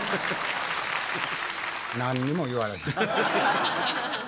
何にも言われへん。